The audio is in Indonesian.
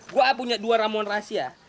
gue punya dua ramuan rahasia